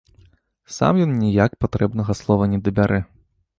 Сам ён ніяк патрэбнага слова не дабярэ.